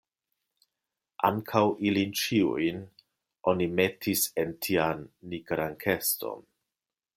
Ankaŭ ilin ĉiujn oni metis en tian nigran keston.